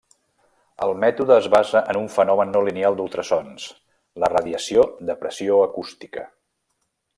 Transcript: El mètode es basa en un fenomen no lineal d'ultrasons, la radiació de pressió acústica.